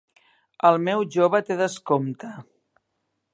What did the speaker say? El meu jove té descompte.